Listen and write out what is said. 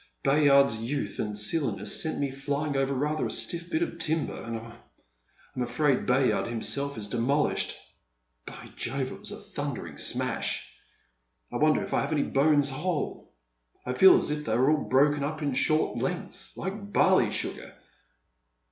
Bayard's youth and silliness sent me flying over rather a stiff bit of timber, and I'm afraid Bayard himself is demolished. By Jove, it was a thundering emash ! I wonder if I have any bones whole ? I feel as if they were all broken up in short lengths, like barley sugar."